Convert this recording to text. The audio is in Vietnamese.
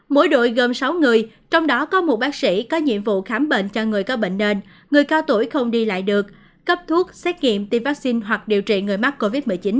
mỗi đội gồm sáu người trong đó có một bác sĩ có nhiệm vụ khám bệnh cho người có bệnh nền người cao tuổi không đi lại được cấp thuốc xét nghiệm tiêm vaccine hoặc điều trị người mắc covid một mươi chín